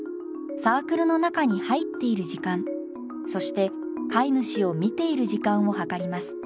サークルの中に入っている時間そして飼い主を見ている時間を計ります。